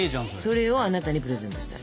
それをあなたにプレゼントしたい。